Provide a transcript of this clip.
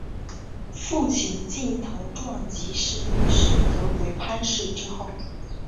父亲近藤壮吉是律师则为藩士之后。